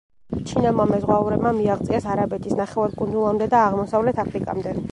ჩინელმა მეზღვაურებმა მიაღწიეს არაბეთის ნახევარკუნძულამდე და აღმოსავლეთ აფრიკამდე.